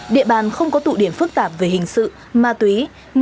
địa bàn không có tụ điểm phức tạp về hình sự ma túy